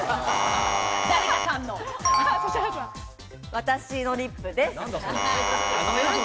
私のリップです。